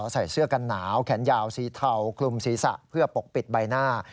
ใส่เสื้อกันหนาวแขนยาวสีเทาคลุมศีรษะเพื่อปกปิดใบหน้า